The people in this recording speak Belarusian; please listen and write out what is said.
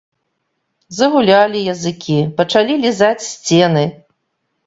Загулялі языкі, пачалі лізаць сцены.